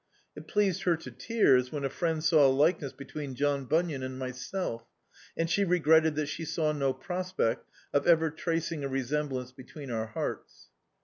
It pleased her to tears when a friend saw a likeness between John Bunyan and myself, and she regretted that she saw no prospect of ever tracing a resemblance between our hearts.